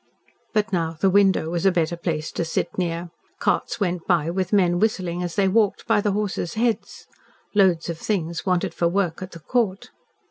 But now the window was a better place to sit near. Carts went by with men whistling as they walked by the horses heads. Loads of things wanted for work at the Court.